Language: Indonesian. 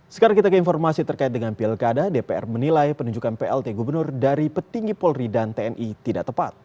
sekarang kita ke informasi terkait dengan pilkada dpr menilai penunjukan plt gubernur dari petinggi polri dan tni tidak tepat